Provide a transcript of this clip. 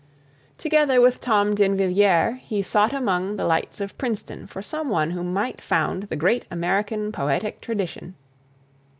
Together with Tom D'Invilliers, he sought among the lights of Princeton for some one who might found the Great American Poetic Tradition.